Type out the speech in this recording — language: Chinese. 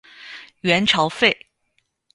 元朝废。